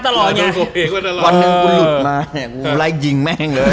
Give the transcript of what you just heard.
วันหนึ่งกูหลุดมากูไล่ก์ยิงแม่งเลย